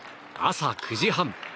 朝９時半。